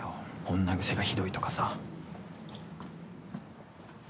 女癖がひどいとかさ。